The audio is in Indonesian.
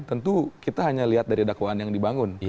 tentu kita hanya lihat dari dakwaan yang dibangun